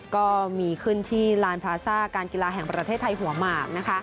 ก็มีขึ้นที่ลานพลาซ่าการกีฬาแห่งประเทศไทยหัวหมากนะคะ